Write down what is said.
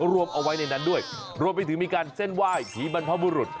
รวมเอาไว้ในนั้นด้วยรวมไปถึงมีการเส้นไหว้ผีบรรพบุรุษ